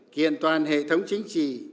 kiện toàn hệ thống chính trị